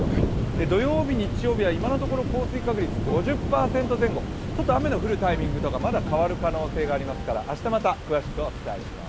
土曜日、日曜日は今のところ降水確率が５０％、ちょっと雨のフルタイミングとかまだ変わる可能性ありますから明日、また詳しくお伝えします。